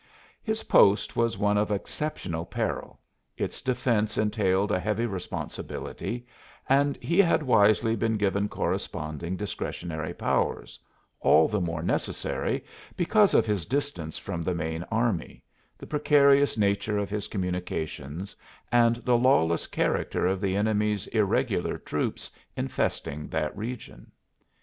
His post was one of exceptional peril; its defense entailed a heavy responsibility and he had wisely been given corresponding discretionary powers, all the more necessary because of his distance from the main army, the precarious nature of his communications and the lawless character of the enemy's irregular troops infesting that region.